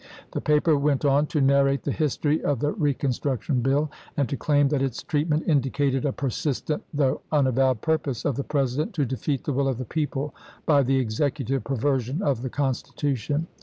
The paper went on to narrate the history of the reconstruction bill, and to claim that its treatment indicated a persistent though unavowed purpose of the President to de feat the will of the people by the Executive per version of the Constitution.